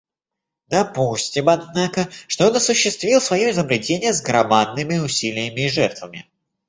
Допустим, однако, что он осуществил свое изобретение с громадными усилиями и жертвами.